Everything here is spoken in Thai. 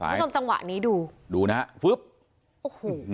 ผู้ชมจังหวะนี้ดูดูนะฮะ